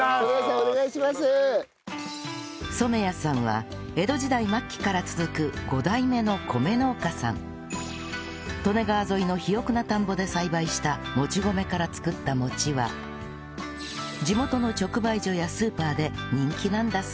染谷さんは江戸時代末期から続く利根川沿いの肥沃な田んぼで栽培したもち米から作った餅は地元の直売所やスーパーで人気なんだそう